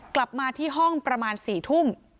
กลับมาที่ห้องประมาณ๔ทุ่ม